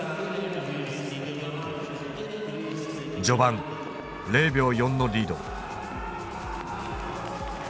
序盤０秒４のリード。